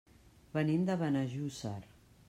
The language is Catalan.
Venim de Benejússer.